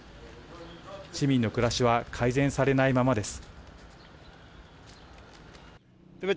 市民の暮らしは改善されないままです。